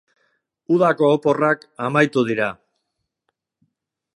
Udako oporrak amaitu dira.